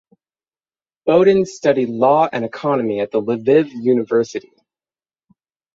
Bohdan studied law and economy at the Lviv University.